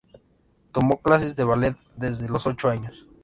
Tomó clases de ballet desde los ocho años.